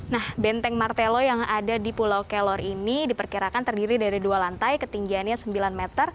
nah benteng martelo yang ada di pulau kelor ini diperkirakan terdiri dari dua lantai ketinggiannya sembilan meter